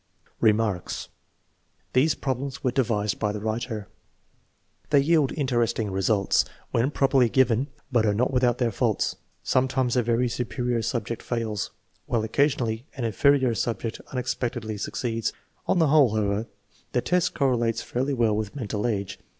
Remarks. These problems were devised by the writer. They yield interesting results, when properly given, but are not without their faults. Sometimes a very superior subject fails, while occasionally an inferior subject unex pectedly succeeds. On the whole, however, the test corre lates fairly well with mental age.